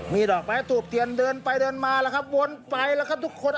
มีดอกไม้ถูกเทียนเดินไปเดินมาแล้วครับวนไปแล้วครับทุกคน